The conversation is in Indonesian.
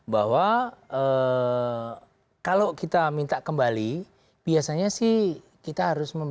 bahwa kalau kita menggunakan rtb return to base atau dia sudah declare emergency